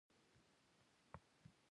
د پښتو لومړنی شعر امير کروړ ليکلی ده.